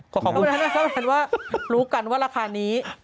ขอขอบคุณแม่เท่าทุนว่ารู้กันว่าราคานี้